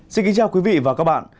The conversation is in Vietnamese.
xin kính chào quý vị và các bạn